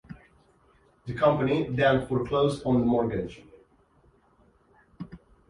The company then foreclosed on the mortgage.